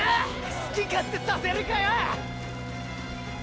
好き勝手させるかよ！